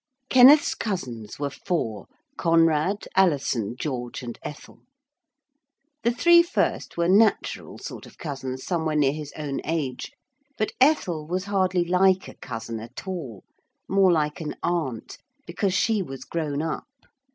Kenneth's cousins were four, Conrad, Alison, George, and Ethel. The three first were natural sort of cousins somewhere near his own age, but Ethel was hardly like a cousin at all, more like an aunt. Because she was grown up.